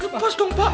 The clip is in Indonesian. lepas dong pak